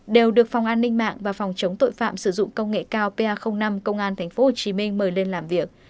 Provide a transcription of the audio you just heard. đều được phòng an ninh mạng và phòng chống tội phạm sử dụng công nghệ cao pa năm công an tp hcm mời lên làm việc